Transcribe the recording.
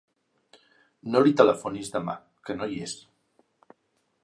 No li telefonis demà, que no hi és.